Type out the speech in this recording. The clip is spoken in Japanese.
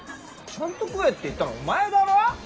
ちゃんと食えって言ったのお前だろ？